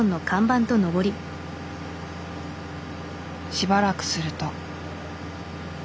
しばらくすると。